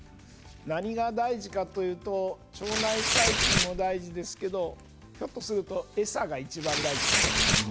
何が大事かというと腸内細菌も大事ですけれどひょっとすると餌がいちばん大事かもしれない。